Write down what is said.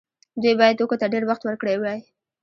دوی باید توکو ته ډیر وخت ورکړی وای.